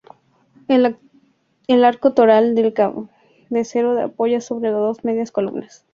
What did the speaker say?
El arco toral del cabecero se apoya sobre dos medias columnas.